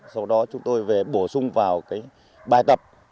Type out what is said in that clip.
sau đó chúng tôi bổ sung vào bài tập